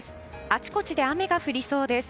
あちこちで雨が降りそうです。